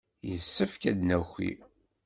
Yessefk ad d-naki.